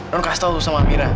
non kasih tau sama amirah